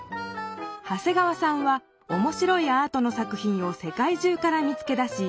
長谷川さんはおもしろいアートの作品を世界中から見つけ出し